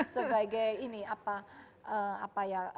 sebagai ini apa ya